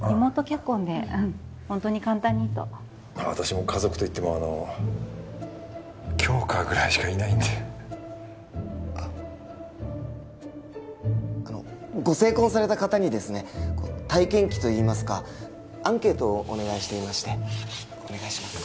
結婚でホントに簡単にと私も家族といってもあの杏花ぐらいしかいないんでああのご成婚された方にですね体験記といいますかアンケートをお願いしていましてお願いします